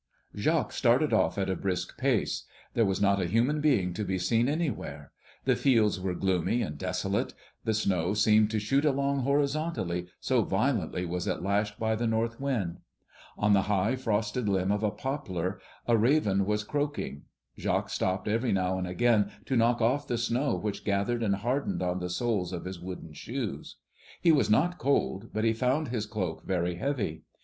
Jacques started off at a brisk pace. There was not a human being to be seen anywhere. The fields were gloomy and desolate. The snow seemed to shoot along horizontally, so violently was it lashed by the north wind. On the high, frosted limb of a poplar a raven was croaking. Jacques stopped every now and again to knock off the snow which gathered and hardened on the soles of his wooden shoes. He was not cold, but he found his cloak very heavy.